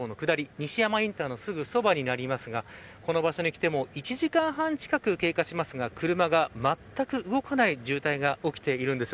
西山インターのすぐそばになりますがこの場所に来てもう１時間半近く経過しますが車がまったく動かない渋滞が起きているんです。